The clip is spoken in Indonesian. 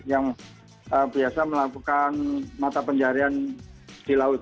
yang biasa melakukan mata pencarian di laut